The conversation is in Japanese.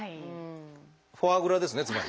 フォアグラですねつまり。